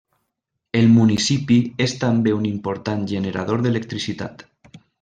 El municipi és també un important generador d'electricitat.